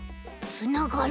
つながる。